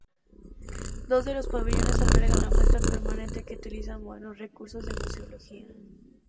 Dos de los pabellones albergan la muestra permanente que utiliza modernos recursos de museología.